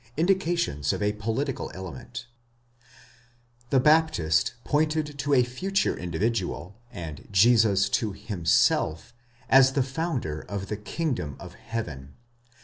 INDICATIONS OF A POLITICAL ELEMENT, The Baptist pointed to a future individual, and Jesus to himself, as the founder of the kingdom of heaven.